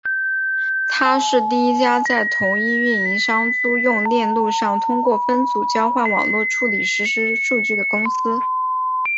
她是第一家在同一运营商租用链路上通过分组交换网络处理实时数据的公司。